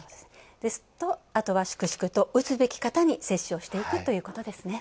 ですと、あとは粛々と打つべき方に接種をしていくということですね。